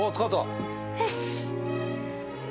よし！